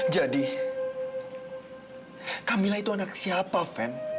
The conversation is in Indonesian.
jadi kamilah itu anak siapa fem